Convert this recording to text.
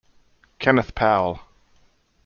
Kenneth Powell.